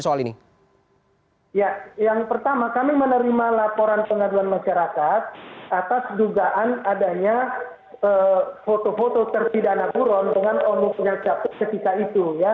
ya yang pertama kami menerima laporan pengaduan masyarakat atas dugaan adanya foto foto terpidana buron dengan omong pengaduan jatuh setika itu